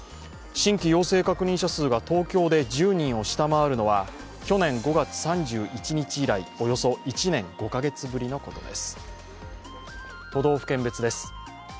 新規陽性確認者数が東京で１０人を下回るのは去年５月３１日以来およそ１年５カ月ぶりのことです。